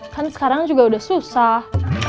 kan sekarang juga udah susah